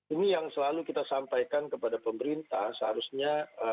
ini yang selalu kita sampaikan kepada pemerintah seharusnya